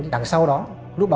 đằng sau đó